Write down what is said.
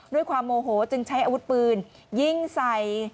ด้วยความโมโหจึงใช้อาวุธปืนยิงใส่